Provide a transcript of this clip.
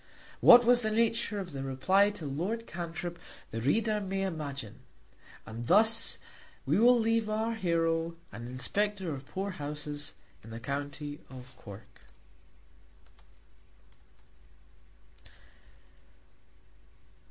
What was the nature of the reply to Lord Cantrip the reader may imagine, and thus we will leave our hero an Inspector of Poor Houses in the County of Cork.